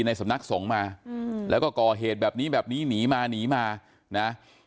ในสำนักสงฆ์มาแล้วก็ก่อเหตุแบบนี้แบบนี้หนีมาหนีมานะ